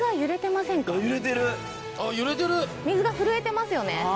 そうすると水が震えてますよね。